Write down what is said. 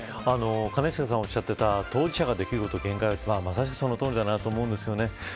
兼近さんがおっしゃていた当事者ができることは限界があるまさしくそのとおりだなと思うんですね。